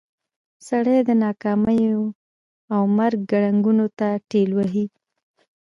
سړی د ناکاميو او مرګ ګړنګونو ته ټېل وهي.